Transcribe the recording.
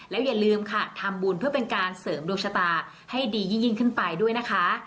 อย่าลืมค่ะทำบุญเพื่อเป็นการเสริมดวงชะตาให้ดียิ่งขึ้นไปด้วยนะคะ